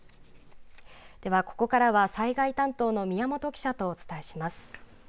では、ここからは災害担当の宮本記者とお伝えします。